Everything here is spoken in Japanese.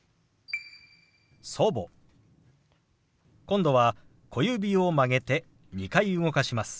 今度は小指を曲げて２回動かします。